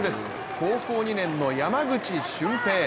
高校２年の山口竣平。